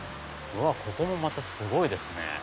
ここもまたすごいですね。